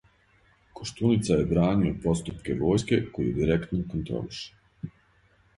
Коштуница је бранио поступке војске, коју директно контролише.